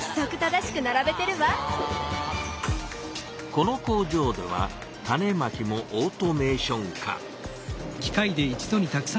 この工場では種まきもオートメーション化。